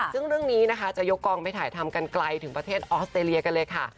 ซึ่งเรื่องนี้นะคะจะยกกองไปถ่ายทำกันไกลถึงประเทศออสเตรเลียกันเลยค่ะ